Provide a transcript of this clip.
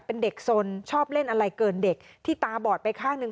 เป็นเด็กสนชอบเล่นอะไรเกินเด็กที่ตาบอดไปข้างหนึ่ง